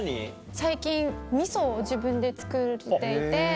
最近味噌を自分で造っていて。